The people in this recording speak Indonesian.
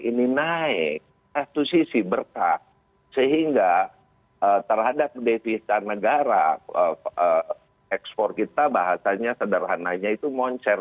ini naik satu sisi berkah sehingga terhadap devisa negara ekspor kita bahasanya sederhananya itu moncer